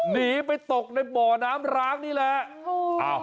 หนีไปตกในบ่อน้ำร้างนี่แหละ